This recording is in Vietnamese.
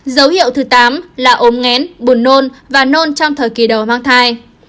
dấu hiệu thứ tám là ốm ngén buồn nôn và nôn trong thời kỳ đầu mang thai